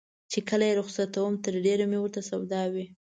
چې کله یې رخصتوم تر ډېره مې ورته سودا وي.